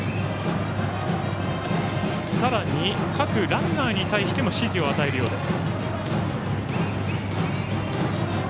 さらに、各ランナーに対しても指示を与えるようです。